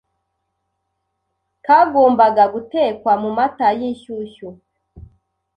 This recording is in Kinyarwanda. Kagombaga gutekwa mu mata y’inshyushyu